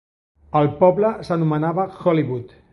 El poble s'anomenava Hollywood.